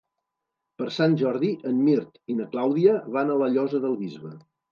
Per Sant Jordi en Mirt i na Clàudia van a la Llosa del Bisbe.